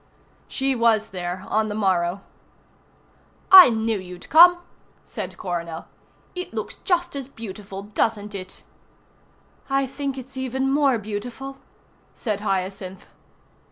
She was there on the morrow. "I knew you'd come," said Coronel. "It looks just as beautiful, doesn't it?" "I think it's even more beautiful," said Hyacinth.